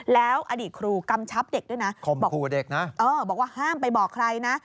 แล้วอดีตครูกำชับเด็กด้วยนะบอกว่าห้ามไปบอกใครนะ